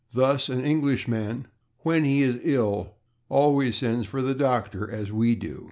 Thus an Englishman, when he is ill, always sends for the /doctor/, as we do.